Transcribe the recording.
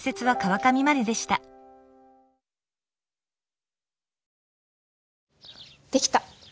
できた！